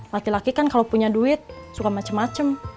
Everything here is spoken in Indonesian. laki laki kan kalau punya duit suka macem macem